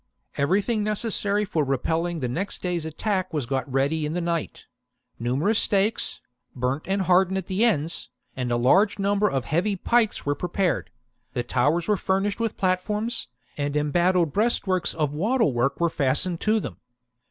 Everything necessary for repelling the next day's attack was got ready in the night : numerous stakes, burnt and hardened at the ends, and a large number of heavy pikes ^ were prepared ; the towers were furnished with platforms, and embattled breast works of wattle work were fastened to them.